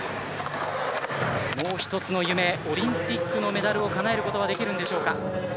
もう一つの夢オリンピックのメダルをかなえることはできるんでしょうか。